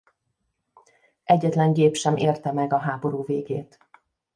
Egyetlen gép sem érte meg a háború végét.